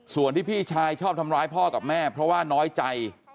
ส่วนที่พี่ชายชอบทำร้ายพ่อกับแม่เพราะว่าน้อยใจ